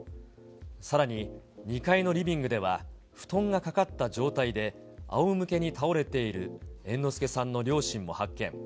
さらに、２階のリビングでは布団がかかった状態であおむけに倒れている猿之助さんの両親も発見。